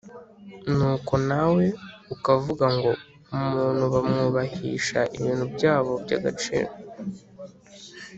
nuko nawe ukavuga ngo umuntu bamwubahisha ibintu byabo by agaciro